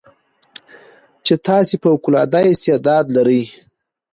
چې تاسې فوق العاده استعداد لرٸ